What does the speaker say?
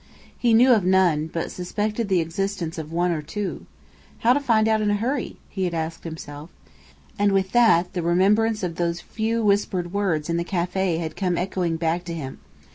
He knew of none, but suspected the existence of one or two. How to find out in a hurry? he had asked himself. And with that, the remembrance of those few whispered words in the café had come echoing back to his brain.